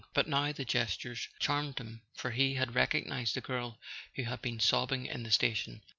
But now the gesture charmed him, for he had recognized the girl who had been sobbing in the station.